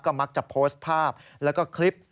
มักจะโพสต์ภาพแล้วก็คลิป